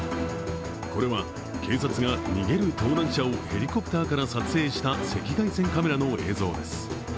これは警察が逃げる盗難車をヘリコプターから撮影した赤外線カメラの映像です。